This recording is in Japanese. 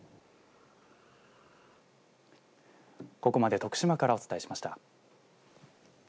ここまで徳島からお伝えしました。